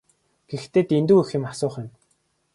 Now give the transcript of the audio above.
Гэхдээ дэндүү их юм асуух юм.